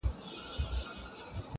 چي په ښكلي وه باغونه د انګورو!.